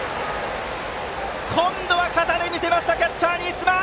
今度は肩で見せましたキャッチャーの新妻！